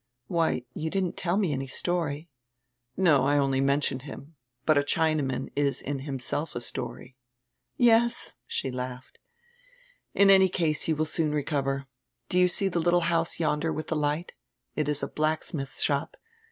"Why, you didn't tell me any story." "No, I only mentioned him. But a Chinaman is in him self a story." "Yes," she laughed. "In any case you will soon recover. Do you see die littie house yonder with the light? It is a blacksmidi's shop.